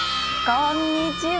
こんにちは。